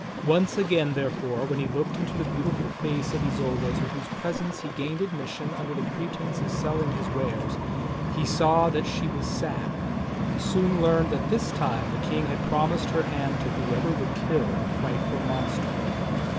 Once again, therefore, when he looked into the beautiful face of Isolda to whose presence he gained admission under pretence of sell ing his wares, he saw that she w'as sad; and he soon learned that this time the King had promised her hand to whoever would kill the frightful monster.